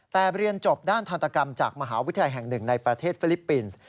แต่เรียนจบด้านทันตกรรมจากมหาวิทยาลัยแห่งหนึ่งในประเทศฟิลิปปินส์